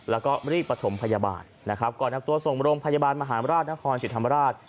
แล้วก็รีบประถมพยาบาลนะครับก่อนนำตัวส่งโรงพยาบาลมหาราชนครสิทธิ์ธรรมราช